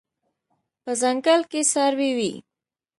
په ځنګل کې څاروي وي